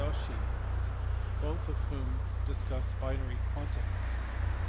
469), both of whom discussed binary quantics.